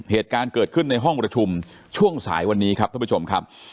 เหตุการณ์เกิดขึ้นในห้องประชุมช่วงสายวันนี้ครับท่านผู้ชมครับ